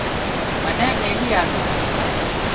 منين ميلي آلو